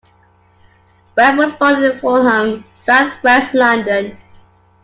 Webb was born in Fulham, South West London.